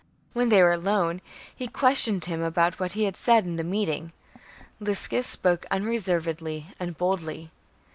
When they were alone, he questioned him about what he had said in the meeting. Liscus spoke unreservedly and boldly.